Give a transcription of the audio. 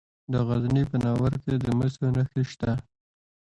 د غزني په ناور کې د مسو نښې شته.